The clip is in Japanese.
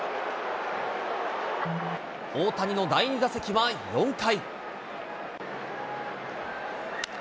大谷の第２打席は４回。